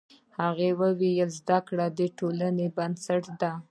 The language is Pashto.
هغه وایي چې زده کړه د ټولنې بنسټ ده